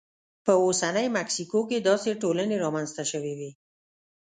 په اوسنۍ مکسیکو کې داسې ټولنې رامنځته شوې وې.